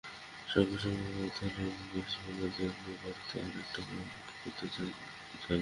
সঙ্গে সম্ভব হলে পেস বোলারদের নিয়ে বাড়তি আরেকটা ক্যাম্পও করতে চান জার্গেনসেন।